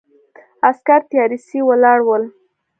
عسکر تیارسي ولاړ ول.